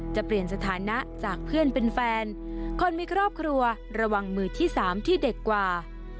จะเปลี่ยนสถานะจากเพื่อนเป็นแฟนคนมีครอบครัวระวังมือที่สามที่เด็กกว่า